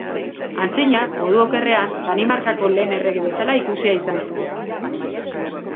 Antzina, modu okerrean, Danimarkako lehen errege bezala ikusia izan zen.